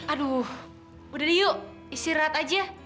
aduh udah deh yuk istirahat aja